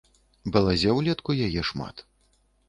Балазе ўлетку яе шмат.